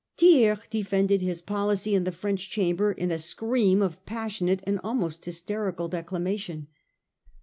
Thiers defended his policy in the French Chamber in a scream of passionate and almost hys terical declamation.